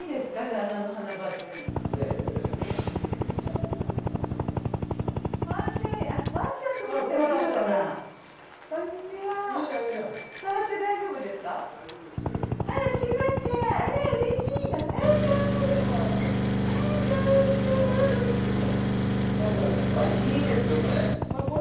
あっいいですよこれ。